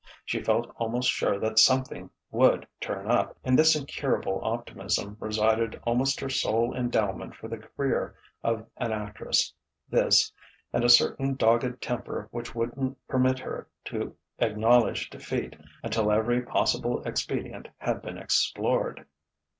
She felt almost sure that something would turn up. In this incurable optimism resided almost her sole endowment for the career of an actress: this, and a certain dogged temper which wouldn't permit her to acknowledge defeat until every possible expedient had been explored....